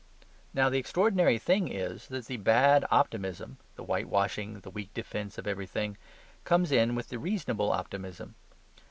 Now, the extraordinary thing is that the bad optimism (the whitewashing, the weak defence of everything) comes in with the reasonable optimism.